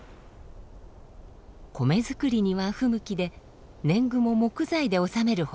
米作りには不向きで年貢も木材で納めるほどでした。